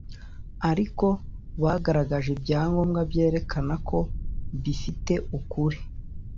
ariko bagaragaje ibyangombwa byerekana ko bifite ukuri